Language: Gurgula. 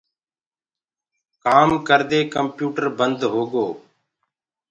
ڪآمو ڪردي ڪمپيوٽر بند هوگو۔